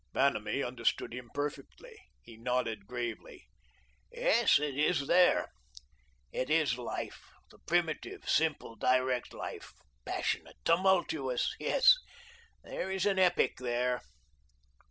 Vanamee understood him perfectly. He nodded gravely. "Yes, it is there. It is Life, the primitive, simple, direct Life, passionate, tumultuous. Yes, there is an epic there."